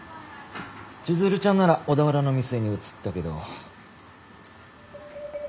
千鶴ちゃんなら小田原の店に移ったけど。